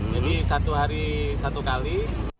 jadi satu hari satu kali